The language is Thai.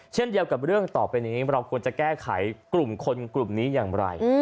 เช่นเดียวกับเรื่องต่อไปนี้เราควรจะแก้ไขกลุ่มคนกลุ่มนี้อย่างไร